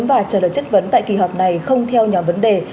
và trả lời chất vấn tại kỳ họp này không theo nhóm vấn đề